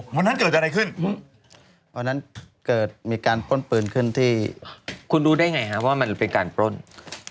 ไม่ห่างครับประมาณไม่ถึง๕เมตรครับ